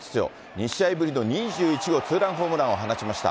２試合ぶりの２１号ツーランホームランを放ちました。